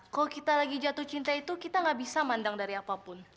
kalau kita lagi jatuh cinta itu kita gak bisa mandang dari apapun